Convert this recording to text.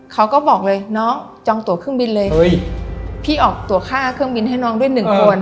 เขาบอกเลยน้องจองตัวเครื่องบินเลยพี่ออกตัวค่าเครื่องบินให้น้องด้วยหนึ่งคน